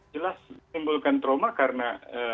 jelas menimbulkan trauma karena